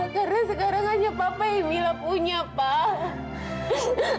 karena sekarang hanya papa yang mila punya pak